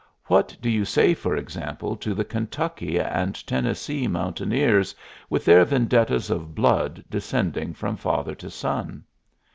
What do you say, for example, to the Kentucky and Tennessee mountaineers, with their vendettas of blood descending from father to son?